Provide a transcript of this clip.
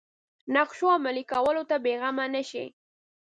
نقشو عملي کولو ته بېغمه نه شي.